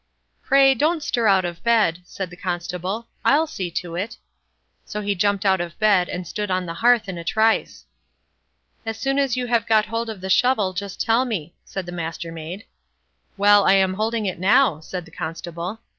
"Pray, don't stir out of bed", said the Constable; "I'll see to it." So he jumped out of bed, and stood on the hearth in a trice. "As soon as you have got hold of the shovel, just tell me", said the Mastermaid. "Well, I am holding it now", said the Constable.